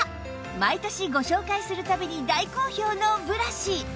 毎年ご紹介する度に大好評のブラシ